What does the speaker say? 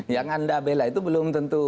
yang anda bela itu belum tentu